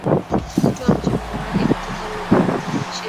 Alitoa mchango wake katika medani ya mchezo